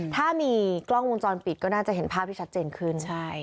ถ้ามีกล้องวงจรปิดก็น่าจะเห็นภาพที่ชัดเจนขึ้น